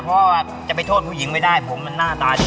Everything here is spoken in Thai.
เพราะว่าจะไปโทษผู้หญิงไม่ได้ผมมันหน้าตาดี